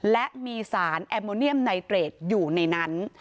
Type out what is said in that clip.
และมีสารแอมโมเนียมไนเตรดอยู่ในนั้น